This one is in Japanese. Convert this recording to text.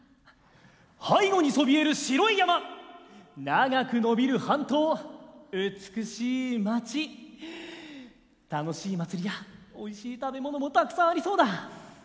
背後にそびえる白い山長くのびる半島美しい街楽しい祭りやおいしい食べ物もたくさんありそうだ！